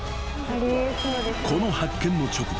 ［この発見の直後